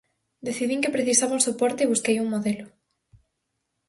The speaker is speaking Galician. Decidín que precisaba un soporte e busquei un modelo.